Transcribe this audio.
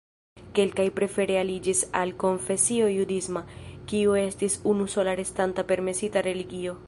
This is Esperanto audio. Kelkaj prefere aliĝis al konfesio judisma, kiu estis unusola restanta permesita religio.